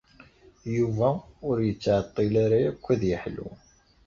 Yuba ur yettɛeṭṭil ara akk ad yeḥlu.